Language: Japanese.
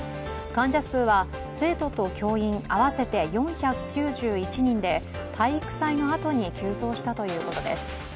患者数は生徒と教員合わせて４９１人で体育祭のあとに急増したということです。